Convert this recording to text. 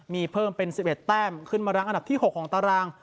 มีเพิ่มเป็น๑๑แต้มขึ้นมารั่งอันดับที่๖ของตาราง